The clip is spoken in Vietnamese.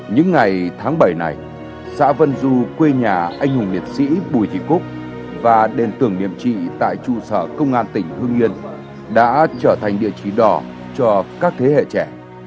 những ngày tháng bảy này xã vân du quê nhà anh hùng liệt sĩ bùi thị cúc và đền tưởng niệm trị tại trụ sở công an tỉnh hương yên đã trở thành địa chỉ đỏ cho các thế hệ trẻ